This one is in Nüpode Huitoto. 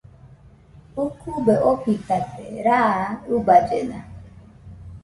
Ukube ofitate raa ɨballena